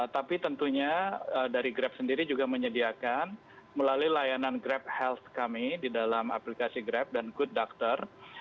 tapi tentunya dari grab sendiri juga menyediakan melalui layanan grab health kami di dalam aplikasi grab dan good doctor